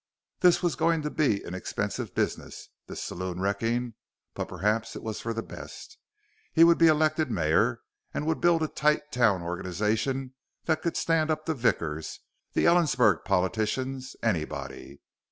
This was going to be an expensive business, this saloon wrecking. But perhaps it was for the best. He would be elected mayor and would build a tight town organization that could stand up to Vickers, the Ellensburg politicians anybody.